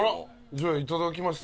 じゃあいただきます？